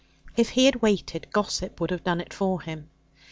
If he had waited, gossip would have done it for him.